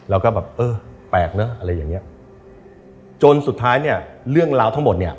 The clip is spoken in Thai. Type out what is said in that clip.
แล้วก็แบบเออแปลกเนอะอะไรอย่างเงี้ยจนสุดท้ายเนี่ยเรื่องราวทั้งหมดเนี่ย